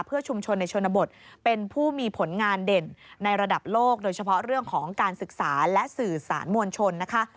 เพื่อชุมชนในชนบทเป็นผู้มีผลงานเด่นในระดับโลกโดยเฉพาะเรื่องของการศึกษาและสื่อสารมวลชนนะคะ